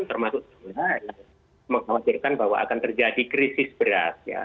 termasuk mengkhawatirkan bahwa akan terjadi krisis berat